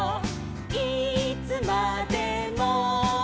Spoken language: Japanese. いつまでも」